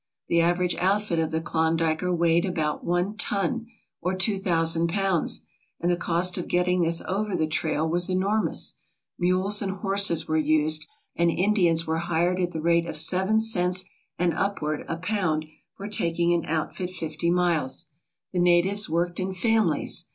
The average outfit of the Klondiker weighed about one ton, or two thousand pounds, and the cost of getting this over the trail was enormous. Mules and horses were used, and Indians were hired at the rate of seven cents and upward a pound in ALASKA OUR NORTHERN WONDERLAND for taking an outfit fifty miles. The natives worked in families.